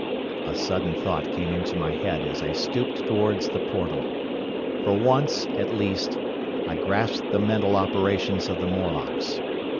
"A sudden thought came into my head as I stooped towards the portal. For once, at least, I grasped the mental operations of the Morlocks.